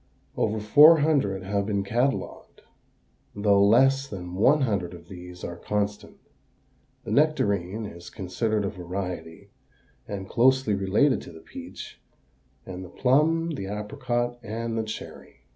Over four hundred have been catalogued, though less than one hundred of these are constant. The nectarine is considered a variety and closely related to the peach and the plum, the apricot, and the cherry.